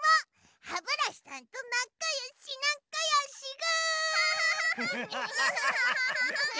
ハブラシさんとなかよしなかよしぐ！